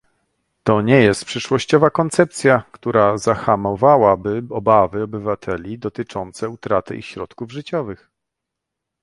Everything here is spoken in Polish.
To nie jest przyszłościowa koncepcja, która zahamowałaby obawy obywateli, dotyczące utraty ich środków życiowych